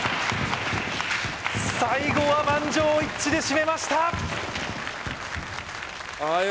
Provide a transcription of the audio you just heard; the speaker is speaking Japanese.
最後は満場一致で締めましたああああ